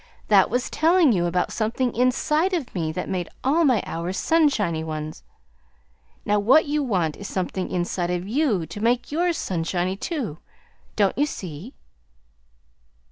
That was telling you about something inside of me that made all my hours sunshiny ones. Now, what you want is something inside of you to make yours sunshiny, too. Don't you see?"